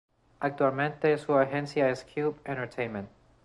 Actualmente su agencia es Cube Entertainment.